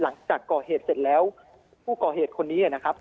หลังจากก่อเหตุเสร็จแล้วผู้ก่อเหตุคนนี้นะครับ